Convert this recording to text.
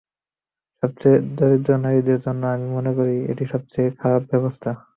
সবচেয়ে দরিদ্র নারীদের জন্য আমি মনে করি এটি সবচেয়ে খারাপ ব্যবস্থা।